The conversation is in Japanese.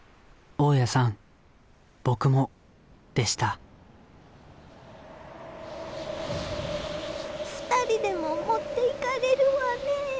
大家さん僕もでした２人でももっていかれるわね！